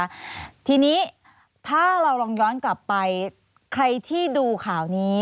ค่ะทีนี้ถ้าเราลองย้อนกลับไปใครที่ดูข่าวนี้